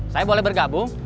saya boleh bergabung